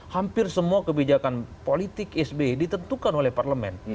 hampir semua kebijakan politik sby ditentukan oleh parlemen